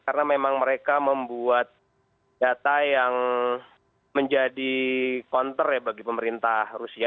karena memang mereka membuat data yang menjadi counter ya bagi pemerintah rusia